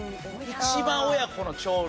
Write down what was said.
一番親子の鳥類。